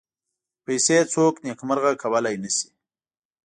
پیسې څوک نېکمرغه کولای نه شي.